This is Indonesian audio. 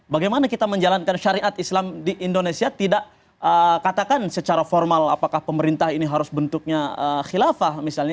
bagaimana kita menjalankan syariat islam di indonesia tidak katakan secara formal apakah pemerintah ini harus bentuknya khilafah misalnya